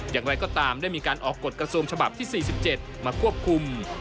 อย่างไรก็ตามได้มีการออกกฎกระทรวงฉบับที่๔๗มาควบคุม